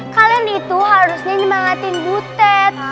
kalian itu harusnya nyemangatin butet